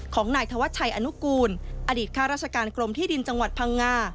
ของนายธวัชชัยอนุกูลอดีตข้าราชการกรมที่ดินจังหวัดพังงา